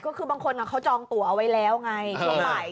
ก็คือบางคนเขาจองตัวเอาไว้แล้วไงช่วงบ่าย